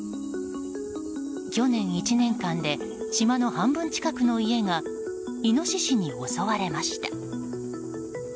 去年１年間で島の半分近くの家がイノシシに襲われました。